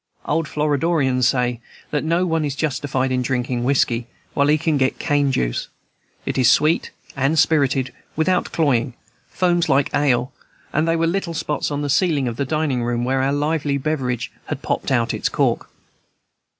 Old Floridians say that no one is justified in drinking whiskey, while he can get cane juice; it is sweet and spirited, without cloying, foams like ale, and there were little spots on the ceiling of the dining room where our lively beverage had popped out its cork.